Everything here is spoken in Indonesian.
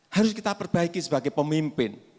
harus kita perbaiki sebagai pemimpin